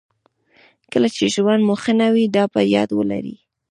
کله چې ژوند مو ښه نه وي دا په یاد ولرئ.